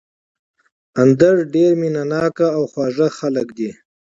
اندړ ډېر مېنه ناک او خواږه خلک دي